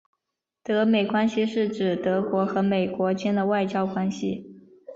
德美关系是指德国和美国间的外交关系。